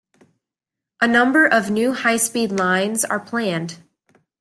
A number of new high speed lines are planned.